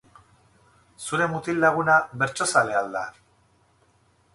Zure mutil laguna bertsozalea al da?